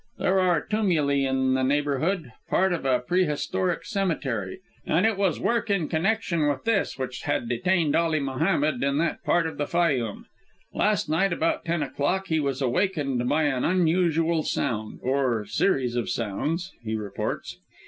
There are tumuli in the neighbourhood part of a prehistoric cemetery and it was work in connection with this which had detained Ali Mohammed in that part of the Fayûm. Last night about ten o'clock he was awakened by an unusual sound, or series of sounds, he reports.